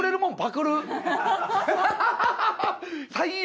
最悪。